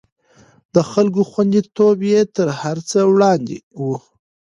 د خلکو خونديتوب يې تر هر څه وړاندې و.